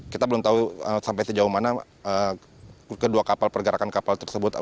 kita belum tahu sampai sejauh mana kedua kapal pergerakan kapal tersebut